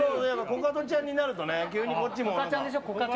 コカドちゃんになるとね急にこっちもね。